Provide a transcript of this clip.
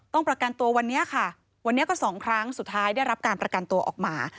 ประกันตัววันนี้ค่ะวันนี้ก็สองครั้งสุดท้ายได้รับการประกันตัวออกมา